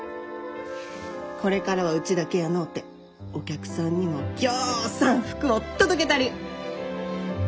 これからはウチだけやのうてお客さんにもぎょうさん福を届けたり。